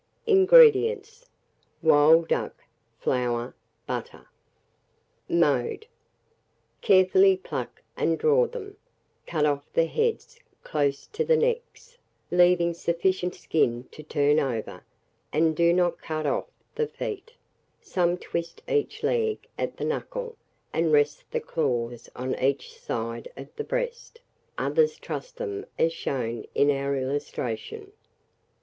INGREDIENTS. Wild duck, flour, butter. [Illustration: ROAST WILD DUCK.] Mode. Carefully pluck and draw them; Cut off the heads close to the necks, leaving sufficient skin to turn over, and do not cut off the feet; some twist each leg at the knuckle, and rest the claws on each side of the breast; others truss them as shown in our Illustration.